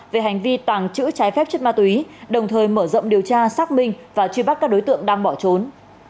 về hành vi tàng trữ trái phép chất ma túy đồng thời mở rộng điều tra xác minh và truy bắt các đối tượng đang bỏ trốn